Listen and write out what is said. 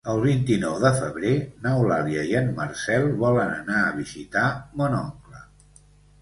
El vint-i-nou de febrer n'Eulàlia i en Marcel volen anar a visitar mon oncle.